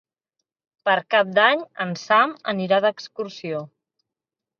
Per Cap d'Any en Sam anirà d'excursió.